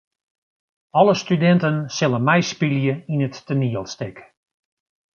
Alle studinten sille meispylje yn it toanielstik.